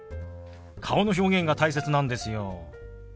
顔の表現が大切なんですよ。